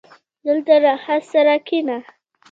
• دلته راحت سره کښېنه.